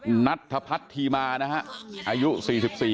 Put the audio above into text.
ดูท่าทางฝ่ายภรรยาหลวงประธานบริษัทจะมีความสุขที่สุดเลยนะเนี่ย